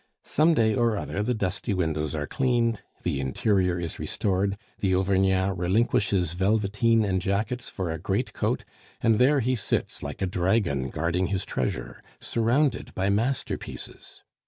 Some day or other the dusty windows are cleaned, the interior is restored, the Auvergnat relinquishes velveteen and jackets for a great coat, and there he sits like a dragon guarding his treasure, surrounded by masterpieces!